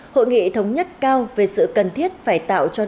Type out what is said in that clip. hội nghị thống nhất cao về sự cần thiết phải tạo cho